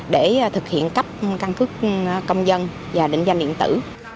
để thực hiện cấp căn cước công dân và định danh điện tử